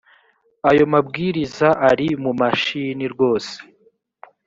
ayo mabwiriza ari mu mashini rwose